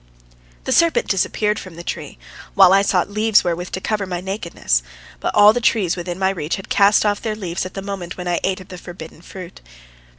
The serpent disappeared from the tree, while I sought leaves wherewith to cover my nakedness, but all the trees within my reach had cast off their leaves at the moment when I ate of the forbidden fruit.